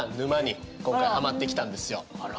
あら。